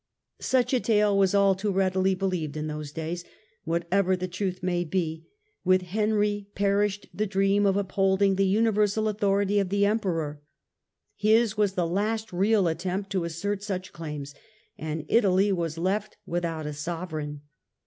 Such a tale was all too readily believed in those days. Reaieud of Whatever the truth may be, with Henry perished the authority dream of upholdmg the universal authority of the Em in Italy peror ; his was the last real attempt to assert such claims and Italy was left without a sovereign.